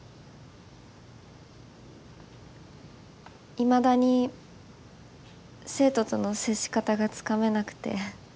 いまだに生徒との接し方がつかめなくて。